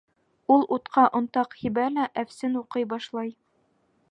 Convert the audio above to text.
Ул утҡа онтаҡ һибә лә әфсен уҡый башлай.